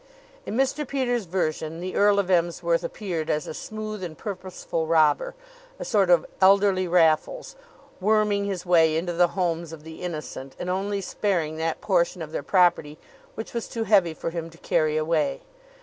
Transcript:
In Mr. Peters' version the Earl of Emsworth appeared as a smooth and purposeful robber, a sort of elderly Raffles, worming his way into the homes of the innocent, and only sparing that portion of their property which was too heavy for him to carry away.